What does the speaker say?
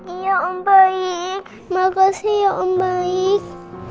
iya om baik makasih ya om baik